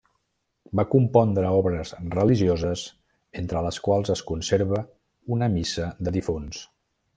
Va compondre obres religioses, entre les quals es conserva una Missa de difunts.